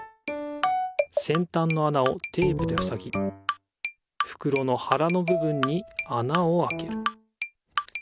せんたんのあなをテープでふさぎふくろのはらのぶぶんにあなをあける